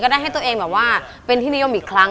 ได้ให้ตัวเองแบบว่าเป็นที่นิยมอีกครั้ง